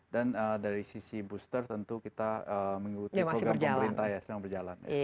dan dari sisi booster tentu kita mengikuti program pemerintah yang sedang berjalan